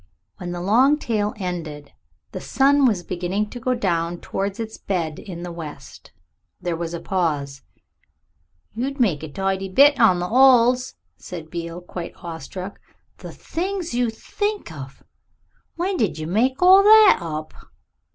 When the long tale ended, the sun was beginning to go down towards its bed in the west. There was a pause. "You'd make a tidy bit on the 'alls," said Beale, quite awestruck. "The things you think of! When did you make all that up?"